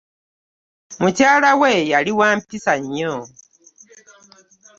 Mukyalawe yali wampisa nnyo